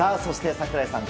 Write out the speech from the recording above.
櫻井さん